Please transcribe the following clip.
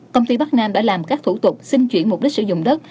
công ty bắc nam đã làm các thủ tục xin chuyển mục đích sử dụng đất